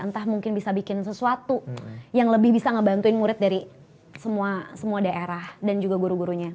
entah mungkin bisa bikin sesuatu yang lebih bisa ngebantuin murid dari semua daerah dan juga guru gurunya